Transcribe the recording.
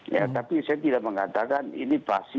ya tapi saya tidak mengatakan ini pasti